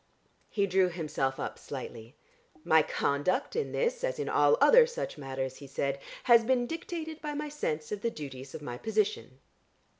He drew himself up slightly. "My conduct in this as in all other such matters," he said, "has been dictated by my sense of the duties of my position."